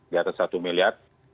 di atas satu miliar